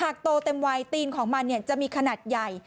โตเต็มวัยตีนของมันจะมีขนาดใหญ่